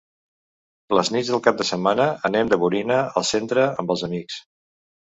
Les nits del cap de setmana anem de borina al centre amb els amics.